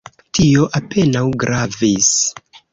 Tio apenaŭ gravis.